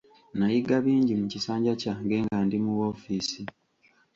Nayiga bingi mu kisanja kyange nga ndi mu woofiisi.